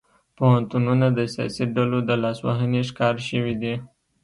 پوهنتونونه د سیاسي ډلو د لاسوهنې ښکار شوي دي